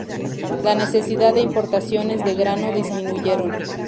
La necesidad de importaciones de grano disminuyeron.